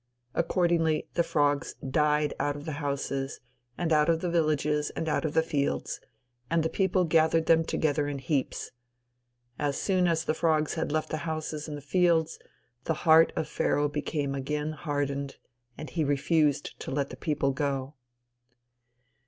Accordingly the frogs died out of the houses, and out of the villages, and out of the fields, and the people gathered them together in heaps. As soon as the frogs had left the houses and fields, the heart of Pharaoh became again hardened, and he refused to let the people go.